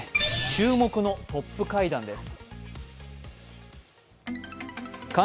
注目のトップ会談です。